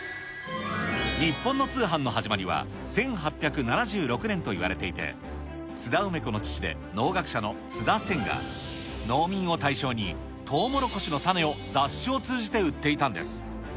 日本の通販の始まりは、１８７６年といわれていて、津田梅子の父で農学者の津田仙が、農民を対象にトウモロコシの種を、雑誌を通じて売っていたんです。